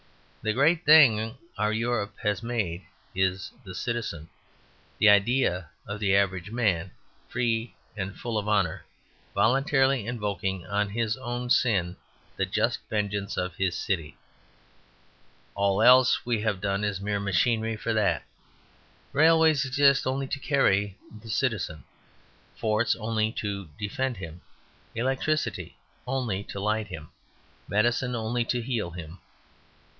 The greatest thing our Europe has made is the Citizen: the idea of the average man, free and full of honour, voluntarily invoking on his own sin the just vengeance of his city. All else we have done is mere machinery for that: railways exist only to carry the Citizen; forts only to defend him; electricity only to light him, medicine only to heal him.